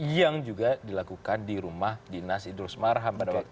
yang juga dilakukan di rumah dinas idrus marham pada waktu itu